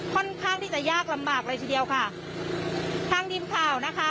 ค่อนข้างที่จะยากลำบากเลยทีเดียวค่ะทางทีมข่าวนะคะ